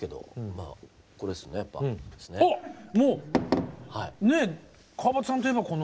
もうね川畑さんといえばこの。